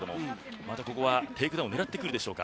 またここはテイクダウンを狙ってくるでしょうか。